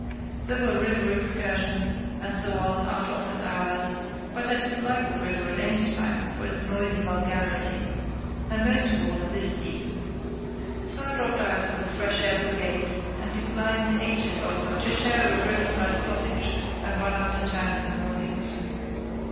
There were river excursions, and so on, after office hours; but I dislike the river at any time for its noisy vulgarity, and most of all at this season. So I dropped out of the fresh air brigade and declined H——'s offer to share a riverside cottage and run up to town in the mornings.